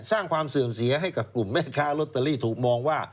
สร้างความเสื่อมเสียให้กับกลุ่มแม่ค้าลอตเตอรี่ถูกมองว่า